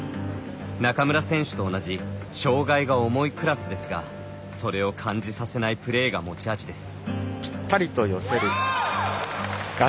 中村選手と同じ障がいが重いクラスですがそれを感じさせないプレーが持ち味です。